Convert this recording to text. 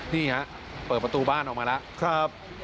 นี่ครับเปิดประตูบ้านออกมาแล้ว